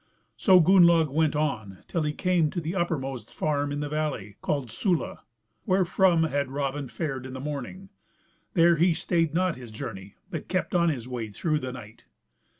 So Gunnlaug went on till he came to the uppermost farm in the valley, called Sula, wherefrom had Raven fared in the morning; there he stayed not his journey, but kept on his way through the night.